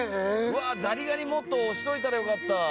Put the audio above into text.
うわっザリガニもっと推しといたらよかった。